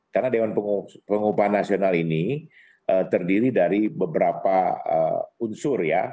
karena dewan pengupahan nasional ini terdiri dari beberapa unsur ya